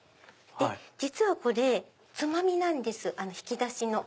実はこれつまみなんです引き出しの。